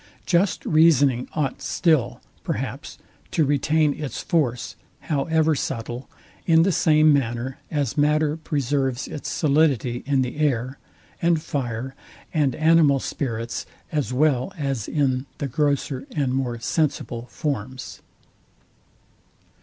Just reasoning ought still, perhaps, to retain its force, however subtile; in the same manner as matter preserves its solidity in the air, and fire, and animal spirits, as well as in the grosser and more sensible forms.